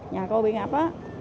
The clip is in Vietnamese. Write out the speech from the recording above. nhà cô bị ngập á